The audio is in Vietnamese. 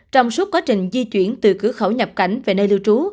trong suốt quá trình di chuyển từ cửa khẩu nhập cảnh về nơi lưu trú